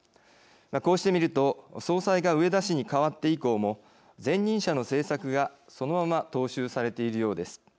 こうして見ると総裁が植田氏に代わって以降も前任者の政策がそのまま踏襲されているようです。